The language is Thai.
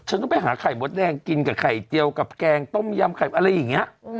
ฉันต้องไปหาไข่มดแดงกินกับไข่เจียวกับแกงต้มยำไข่อะไรอย่างนี้